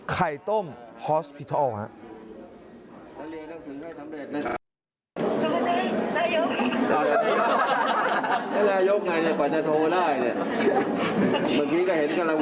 ไข่ต้มฮอสพิทัลฮะ